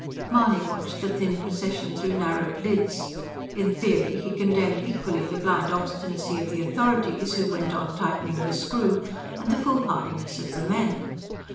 Mahony watched the thin procession through narrowed lids. In theory he condemned equally the blind obstinacy of the authorities, who went on tightening the screw, and the foolhardiness of the men.